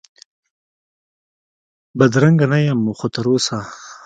بدرنګه نه یم خو تراوسه،